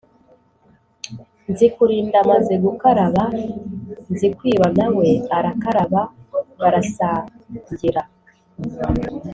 Nzikurinda amaze gukaraba, Nzikwiba na we arakaraba barasangira